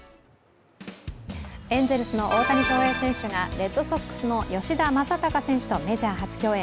エンゼルスの大谷翔平選手がレッドソックスの吉田正尚選手とメジャー初競演。